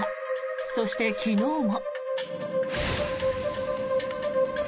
そして昨日も。